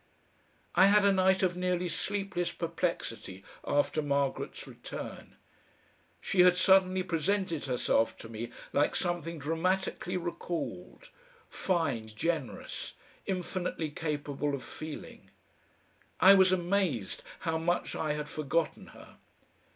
I had a night of nearly sleepless perplexity after Margaret's return. She had suddenly presented herself to me like something dramatically recalled, fine, generous, infinitely capable of feeling. I was amazed how much I had forgotten her.